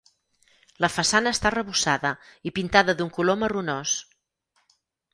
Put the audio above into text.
La façana està arrebossada i pintada d'un color marronós.